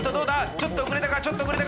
ちょっと遅れたか？